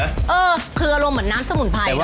เออเคลือลงเหมือนน้ำสมุนไพรนะ